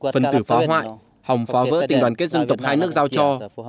phần tử phá hoại hòng phá vỡ tình đoàn kết dân tộc hai nước giao cho